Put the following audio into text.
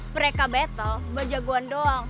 mereka battle baca guan doang